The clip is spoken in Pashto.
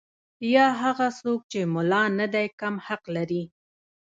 یا هغه څوک چې ملا نه دی کم حق لري.